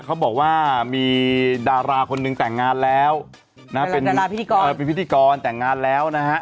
เขาบอกว่ามีดาราคนหนึ่งแต่งงานแล้วนะเป็นพิธีกรแต่งงานแล้วนะฮะ